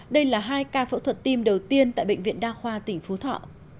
đây là hai ca phẫu thuật tim đầu tiên tại bệnh viện đa khoa tỉnh phú thọ